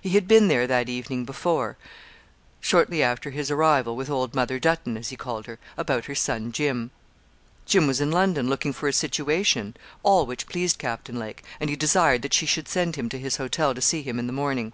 He had been there that evening before, shortly after his arrival, with old Mother Dutton, as he called her, about her son, Jim. Jim was in London, looking for a situation, all which pleased Captain Lake; and he desired that she should send him to his hotel to see him in the morning.